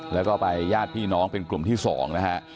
แล้วก็ไปญาติพี่น้องเป็นกลุ่มที่๒นะฮะ